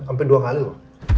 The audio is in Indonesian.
sampai dua kali loh